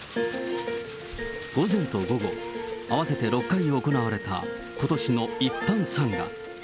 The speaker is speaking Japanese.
午前と午後、合わせて６回行われたことしの一般参賀。